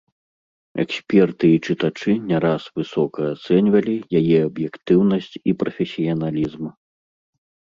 Эксперты і чытачы не раз высока ацэньвалі яе аб'ектыўнасць і прафесіяналізм.